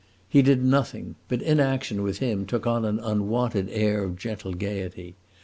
He did nothing; but inaction, with him, took on an unwonted air of gentle gayety.